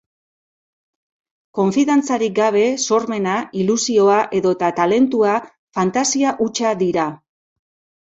Konfidantzarik gabe, sormena, ilusioa edota talentua fantasia hutsa dira.